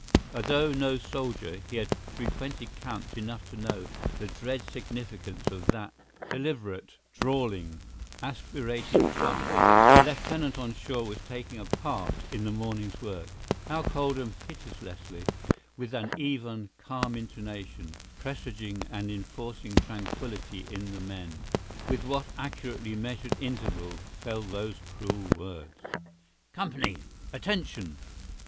Although no soldier, he had frequented camps enough to know the dread significance of that deliberate, drawling, aspirated chant; the lieutenant on shore was taking a part in the morning's work. How coldly and pitilessly—with what an even, calm intonation, presaging, and enforcing tranquility in the men—with what accurately measured interval fell those cruel words: "Company!… Attention!